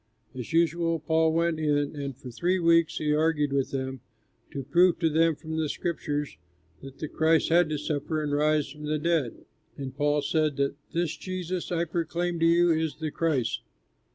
As usual, Paul went in, and for three weeks he argued with them, to prove to them from the scriptures that the Christ had to suffer and rise from the dead, and Paul said that "this Jesus I proclaim to you is the Christ."